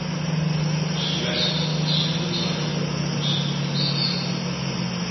En cela, son style s'oppose radicalement de celui de Cicéron.